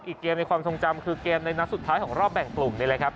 อีกเกมในความทรงจำคือเกมในนัดสุดท้ายของรอบแบ่งกลุ่มนี่แหละครับ